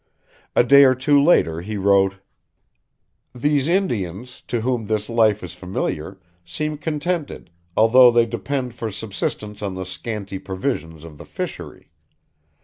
A day or two later he wrote: "These Indians, to whom this life is familiar, seem contented, although they depend for subsistence on the scanty provisions of the fishery.